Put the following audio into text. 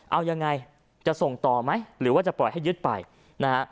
เอายังไงจะส่งต่อไหมหรือว่าจะปล่อยให้ยึดไปนะฮะ